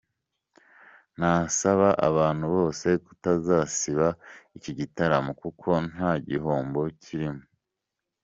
Nasaba abantu bose kutazasiba iki gitaramo kuko nta gihombo kirimo.